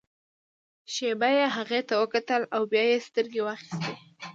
شېبه يې هغې ته وکتل او بيا يې سترګې واخيستې.